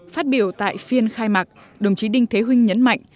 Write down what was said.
phát biểu tại phiên khai mạc đồng chí đinh thế huynh nhấn mạnh